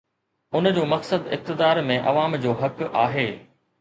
ان جو مقصد اقتدار ۾ عوام جو حق آهي.